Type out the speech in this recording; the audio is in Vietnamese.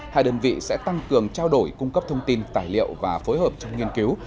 hai đơn vị sẽ tăng cường trao đổi cung cấp thông tin tài liệu và phối hợp trong nghiên cứu